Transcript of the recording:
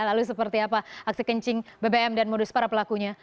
lalu seperti apa aksi kencing bbm dan modus para pelakunya